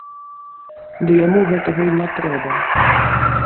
Ды яму гэтага й не трэба.